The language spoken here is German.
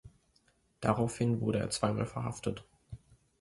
Daraufhin wurde er zweimal verhaftet.